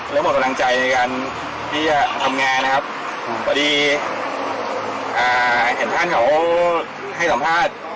แล้วหมดกำลังใจในการที่จะทำงานนะครับพอดีอ่าเห็นท่านเขาให้สัมภาษณ์